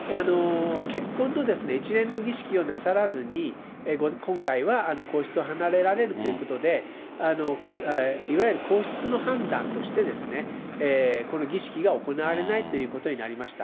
結婚の一連の儀式をなさらずに、今回は皇室を離れられるということで、いわゆる皇室の判断として、この儀式が行われないということになりました。